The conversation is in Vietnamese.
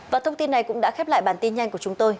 và thông tin này cũng đã khép lại bản tin nhanh của chúng tôi